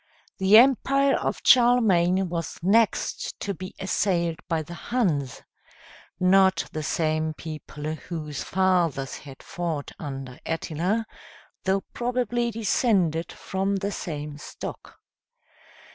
The empire of Charlemagne was next to be assailed by the Huns, not the same people whose fathers had fought under Attila, though probably descended from the same stock.